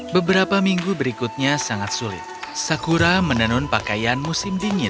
beberapa minggu berikutnya sangat sulit sakura menenun pakaian musim dingin